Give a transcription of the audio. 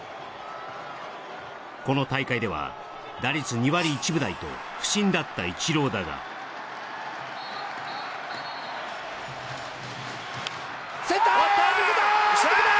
この大会では打率２割１分台と不振だったイチローだがセンターへ抜けた抜けた！